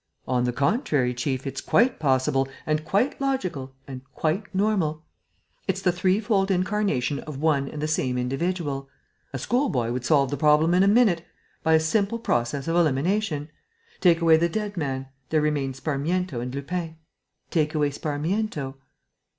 "On the contrary, chief, it's quite possible and quite logical and quite normal. It's the threefold incarnation of one and the same individual. A schoolboy would solve the problem in a minute, by a simple process of elimination. Take away the dead man: there remains Sparmiento and Lupin. Take away Sparmiento...."